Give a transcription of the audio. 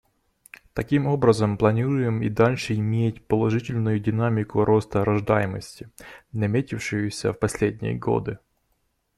Таким образом планируем и дальше иметь положительную динамику роста рождаемости, наметившуюся в последние годы.